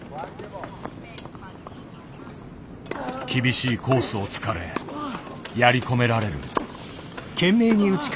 厳しいコースを突かれやり込められる。